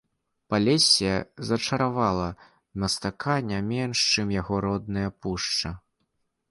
Палессе зачаравала мастака не менш, чым яго родная пушча.